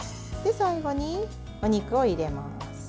最後にお肉を入れます。